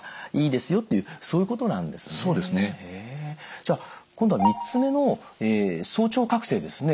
じゃあ今度は３つ目の早朝覚醒ですね。